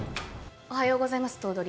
おはようございます頭取。